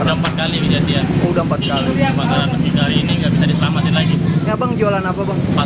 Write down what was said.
ada yang lebih tahu lagi dong